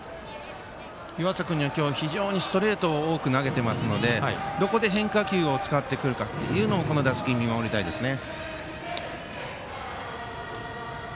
湯浅君には今日、非常にストレートを多く投げていますのでどこで変化球を使ってくるかというのもこの打席、見守りたいですね。